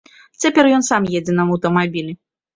Цяпер ён сам едзе на аўтамабілі.